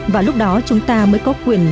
và lúc đó chúng ta mới có quyền